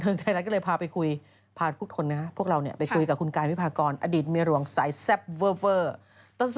ถือหาไปทั้งหนึ่งแล้วเมื่ออดีตเมียหมายเล็กหนึ่ง